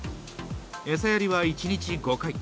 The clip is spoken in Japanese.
餌やりは１日５回。